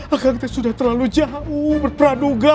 akang sudah terlalu jauh berperanungga